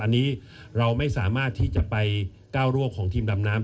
อันนี้เราไม่สามารถที่จะไปก้าวร่วงของทีมดำน้ำ